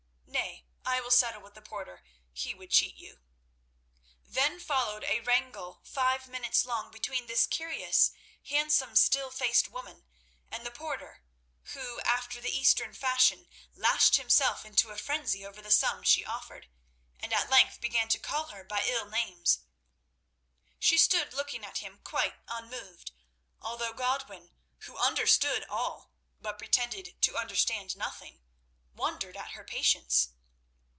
"Nay, I will settle with the porter; he would cheat you." Then followed a wrangle five minutes long between this curious, handsome, still faced woman and the porter who, after the eastern fashion, lashed himself into a frenzy over the sum she offered, and at length began to call her by ill names. She stood looking at him quite unmoved, although Godwin, who understood all, but pretended to understand nothing, wondered at her patience.